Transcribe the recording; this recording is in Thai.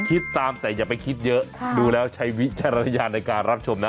คิดตามแต่อย่าไปคิดเยอะดูแล้วใช้วิจารณญาณในการรับชมนะ